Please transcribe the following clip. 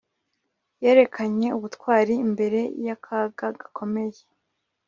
Yerekanye ubutwari imbere yakaga gakomeye